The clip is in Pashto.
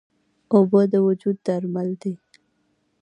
اوبه د وجود درمل دي.